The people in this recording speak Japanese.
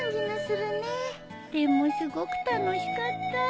でもすごく楽しかった。